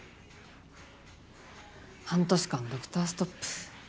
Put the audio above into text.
半年間ドクターストップ。